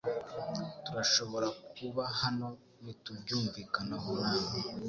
Turashobora kuba hano nitubyumvikanaho namwe